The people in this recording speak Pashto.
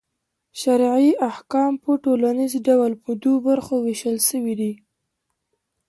شرعي احکام په ټوليز ډول پر دوو برخو وېشل سوي دي.